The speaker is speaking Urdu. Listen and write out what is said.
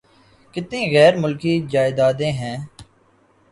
کتنی غیر ملکی جائیدادیں ہیں۔